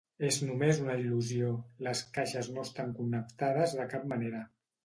És només una il·lusió; les caixes no estan connectades de cap manera.